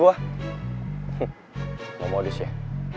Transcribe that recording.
gak mau disih